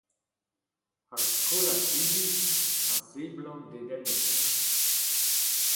Ar skolajidi a seblant dedennet.